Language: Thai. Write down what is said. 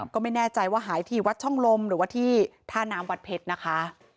ก็ไม่แน่ใจว่าหายที่วัดช่องลมหรือว่าที่ท่าน้ำวัดเพชรนะคะ